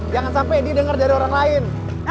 jangan sampe dia denger dari orang lain